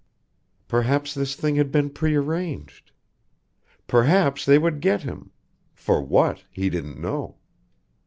Perhaps this thing had been prearranged. Perhaps they would get him for what he didn't know.